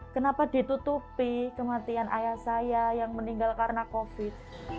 kenapa ditutupi kematian ayah saya yang meninggal karena covid